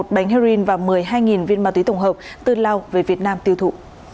một bánh heroin và một mươi hai viên ma túy tổng hợp tư lao về việt nam tiêu thụ